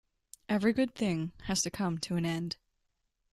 Every good thing has to come to an end.